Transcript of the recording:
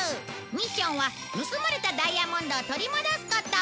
ミッションは盗まれたダイヤモンドを取り戻すこと